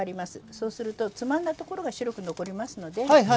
そうすると、つまんだところが白く残りますので。